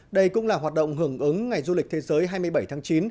đây cũng là hoạt động hưởng ứng ngày du lịch thế giới hai mươi bảy tháng chín